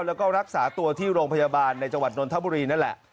แล้วก็รักษาตัวที่โรงพยาบาลในจังหวัดนทบุรีนั่นแหละ